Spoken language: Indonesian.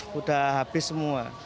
sudah habis semua